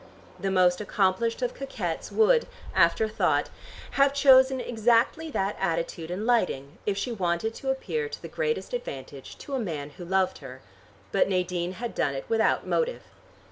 The most accomplished of coquettes would, after thought, have chosen exactly that attitude and lighting, if she wanted to appear to the greatest advantage to a man who loved her, but Nadine had done it without motive.